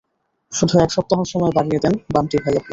শুধু এক সপ্তাহ সময় বাড়িয়ে দেন, বান্টি ভাইয়া, প্লিজ।